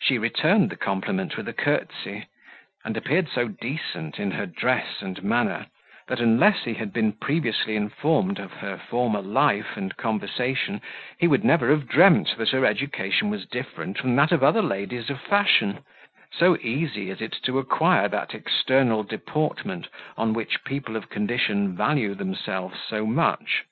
She returned the compliment with a curtsy, and appeared so decent in her dress and manner, that unless he had been previously informed of her former life and conversation, he never would have dreamt that her education was different from that of other ladies of fashion; so easy is it to acquire that external deportment on which people of condition value themselves so much.